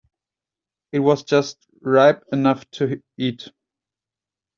It was just ripe enough to eat.